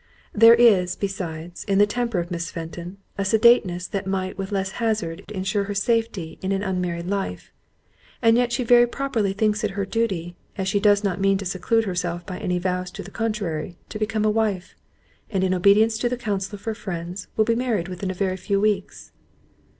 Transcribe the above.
"There is, besides, in the temper of Miss Fenton, a sedateness that might with less hazard ensure her safety in an unmarried life; and yet she very properly thinks it her duty, as she does not mean to seclude herself by any vows to the contrary, to become a wife—and in obedience to the counsel of her friends, will be married within a very few weeks."